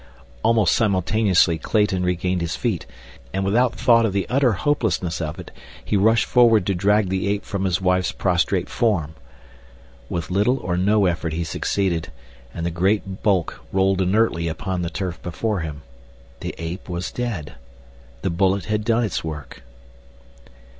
Almost simultaneously Clayton regained his feet, and without thought of the utter hopelessness of it, he rushed forward to drag the ape from his wife's prostrate form. With little or no effort he succeeded, and the great bulk rolled inertly upon the turf before him—the ape was dead. The bullet had done its work.